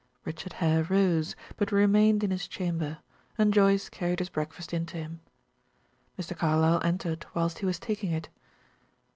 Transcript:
Richard Hare rose, but remained in his chamber, and Joyce carried his breakfast in to him. Mr. Carlyle entered whilst he was taking it.